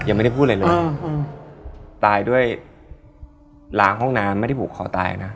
อเจมส์ตายด้วยล้างห้องน้ำไม่ได้ปลูกคอตายนะ